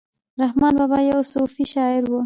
رحمان بابا یو صوفي شاعر ؤ